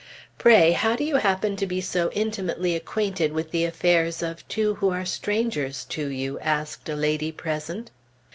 "Pray, how do you happen to be so intimately acquainted with the affairs of two who are strangers to you?" asked a lady present.